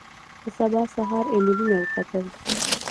په سبا سهار ایمېلونه وکتل.